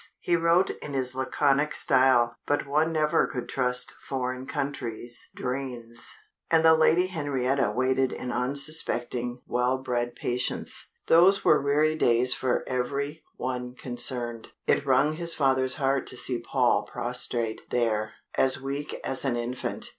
he wrote in his laconic style, "but one never could trust foreign countries' drains!" And the Lady Henrietta waited in unsuspecting, well bred patience. Those were weary days for every one concerned. It wrung his father's heart to see Paul prostrate there, as weak as an infant.